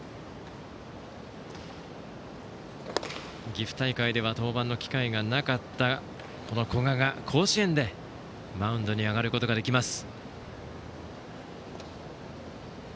岐阜大会では登板機会がなかった古賀が甲子園でマウンドに上がることができます。